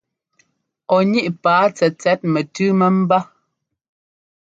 Ɔ níꞋ paa tsɛtsɛt mɛtʉ́ mɛ́mbá.